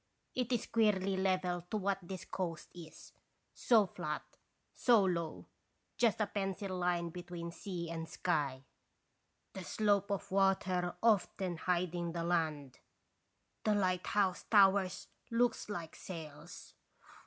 It is queerly level to what this coast is, so flat, so low, just a pencil line between sea and sky, the slope of the water often hiding the land, the lighthouse towers looks like sails.